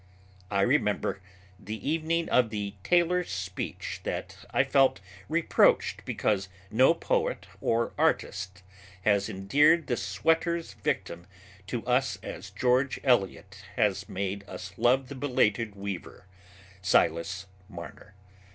I remember the evening of the tailor's speech that I felt reproached because no poet or artist has endeared the sweaters' victim to us as George Eliot has made us love the belated weaver, Silas Marner.